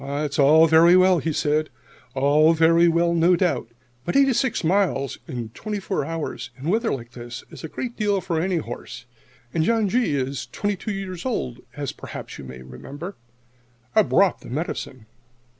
"It's all very well," said he, "all very well, no doubt. But eighty six miles in twenty four hours, in weather like this, is a good deal for any horse. And John G. is twenty two years old, as perhaps you may remember. _I've brought the medicine.